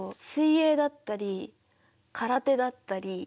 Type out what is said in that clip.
水泳だったり空手だったり。